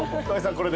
これで？